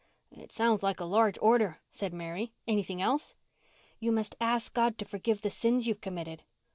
"It sounds like a large order," said Mary. "Anything else?" "You must ask God to forgive the sins you've committed.